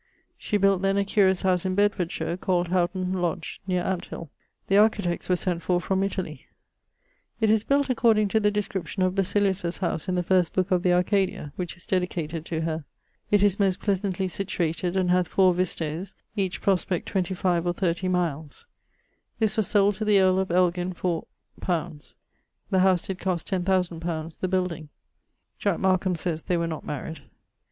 She built then a curious house in Bedfordshire called Houghton Lodge neer Ampthill. The architects were sent for from Italie. It is built according to the description of Basilius's house in the first booke of the Arcadia (which is dedicated to her). It is most pleasantly situated and hath fower visto's, each prospect 25 or 30 miles. This was sold to the earle of Elgin for ... li. The house did cost 10,000 li. the building. [LXXXIV.] Jack Markham saies they were not . [LXXXV.